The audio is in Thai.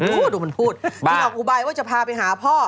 ดูมันพูดที่ออกอุบายว่าจะพาไปหาพ่อ